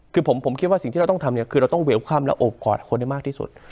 คือผมคิดว่าสิ่งที่เราต้องทำเนี่ยคือเราต้องเหวค่ำและโอบกอดคนให้มากที่สุด